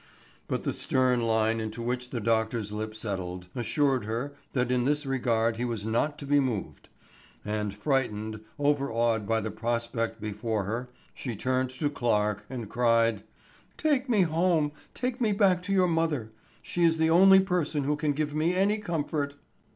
But the stern line into which the doctor's lip settled, assured her that in this regard he was not to be moved; and frightened, overawed by the prospect before her, she turned to Clarke and cried: "Take me home, take me back to your mother; she is the only person who can give me any comfort."